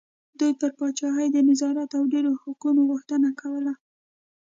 دوی پر پاچاهۍ د نظارت او ډېرو حقوقو غوښتنه کوله.